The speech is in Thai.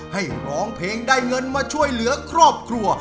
ให้ร้องเพลงได้เงินมาช่วยเหลือครอบครัว